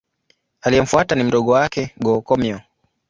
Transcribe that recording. Aliyemfuata ni mdogo wake Go-Komyo.